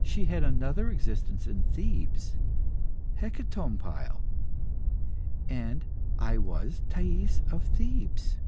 She had another existence in Thebes Hecatompyle. And I was Thais of Thebes.